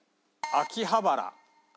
秋葉原。